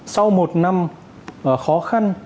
sau một năm khó khăn